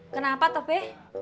kenapa tuh be